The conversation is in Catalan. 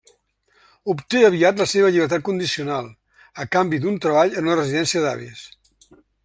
Obté aviat la seva llibertat condicional, a canvi d'un treball en una residència d'avis.